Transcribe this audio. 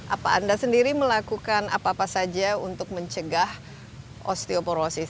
apa anda sendiri melakukan apa apa saja untuk mencegah osteoporosis